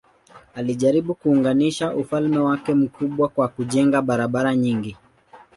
Alijaribu kuunganisha ufalme wake mkubwa kwa kujenga barabara nyingi.